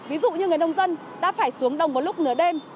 ví dụ như người nông dân đã phải xuống đồng một lúc nửa đêm